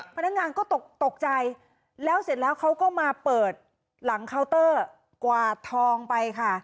พนักงานก็ตกตกใจแล้วเสร็จแล้วเขาก็มาเปิดหลังเคาน์เตอร์กวาดทองไปค่ะ